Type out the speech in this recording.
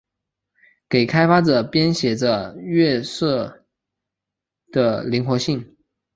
给开发者编写着色器的灵活性。